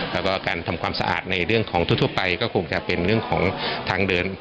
แล้วก็การทำความสะอาดในเรื่องของทั่วไปก็คงจะเป็นเรื่องของทางเดิน